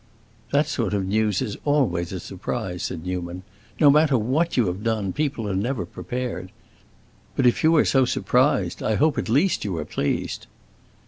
"That sort of news is always a surprise," said Newman. "No matter what you have done, people are never prepared. But if you are so surprised, I hope at least you are pleased."